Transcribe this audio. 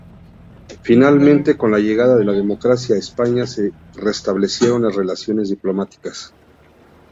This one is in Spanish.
Finalmente, con la llegada de la democracia a España se restablecieron las relaciones diplomáticas.